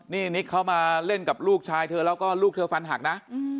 นี่นิกเขามาเล่นกับลูกชายเธอแล้วก็ลูกเธอฟันหักนะ